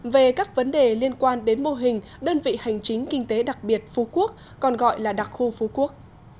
về các vấn đề liên quan đến mô hình đơn vị hành chính kinh tế đặc biệt phú quốc còn gọi là đặc khu phú quốc